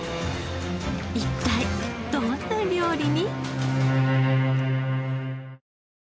一体どんな料理に？